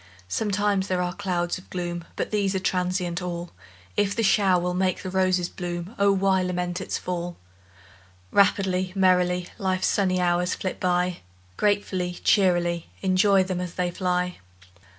Sometimes there are clouds of gloom, But these are transient all; If the shower will make the roses bloom, O why lament its fall? Rapidly, merrily, Life's sunny hours flit by, Gratefully, cheerily Enjoy them as they fly!